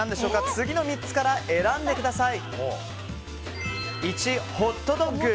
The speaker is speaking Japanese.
次の３つから選んでください。